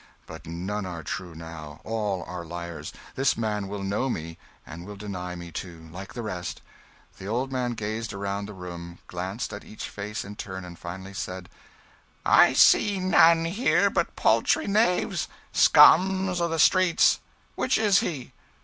But none are true now; all are liars. This man will know me and will deny me, too, like the rest." The old man gazed around the room, glanced at each face in turn, and finally said "I see none here but paltry knaves, scum o' the streets. Which is he?"